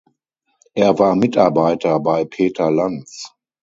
Er war Mitarbeiter bei Peter Lanz.